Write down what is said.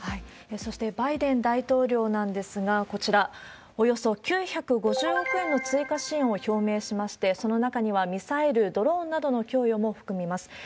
そしてバイデン大統領なんですが、こちら、およそ９５０億円の追加支援を表明しまして、その中にはミサイル、ドローンなどの供与も含みます。